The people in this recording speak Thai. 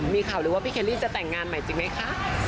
มีข่าวหรือว่าพี่เคลรี่จะแต่งงานใหม่จริงไหมคะ